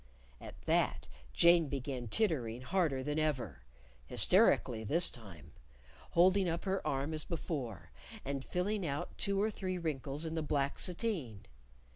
At that, Jane began tittering harder than ever (hysterically, this time), holding up her arm as before and filling out two or three wrinkles in the black sateen!